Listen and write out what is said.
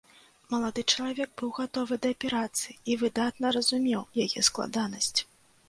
Малады чалавек быў гатовы да аперацыі і выдатна разумеў яе складанасць.